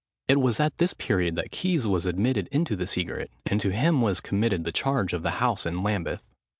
It was at this period that Keys was admitted into the secret, and to him was committed the charge of the house in Lambeth.